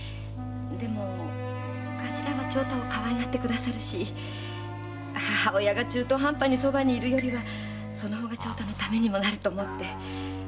でも頭は長太をかわいがってくださるし母親が中途半端にそばにいるより長太のためにもなると思って。